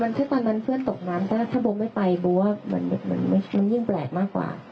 มันใช่ตอนนั้นเพื่อนตกน้ำแต่ถ้าโบไม่ไปบอกว่ามันยิ่งแปลกมากกว่า